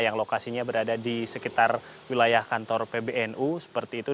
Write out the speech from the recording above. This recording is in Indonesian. yang lokasinya berada di sekitar wilayah kantor pbnu seperti itu